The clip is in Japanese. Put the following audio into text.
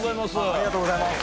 ありがとうございます。